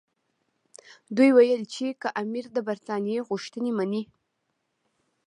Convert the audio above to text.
دوی ویل چې که امیر د برټانیې غوښتنې مني.